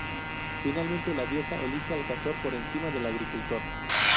Finalmente la diosa elige al pastor por encima del agricultor.